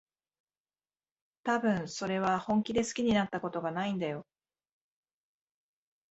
たぶん、それは本気で好きになったことがないんだよ。